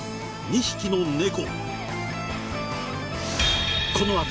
２匹の猫。